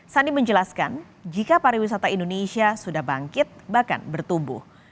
sandi menjelaskan jika pariwisata indonesia sudah bangkit bahkan bertumbuh